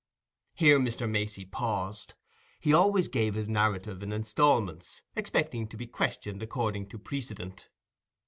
Here Mr. Macey paused; he always gave his narrative in instalments, expecting to be questioned according to precedent.